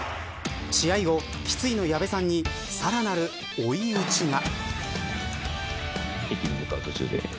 試合後、失意の矢部さんにさらなる追い打ちが。